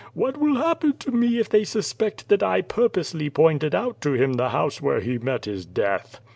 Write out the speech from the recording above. What will happen to me if they suspect that I purpose!}^ pointed out to him the house where he met his death?